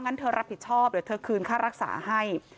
งั้นเธอรับผิดชอบเดี๋ยวเธอคืนค่ารักษาให้